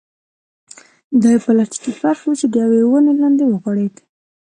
دا يو پلاستيکي فرش و چې د يوې ونې لاندې وغوړېد.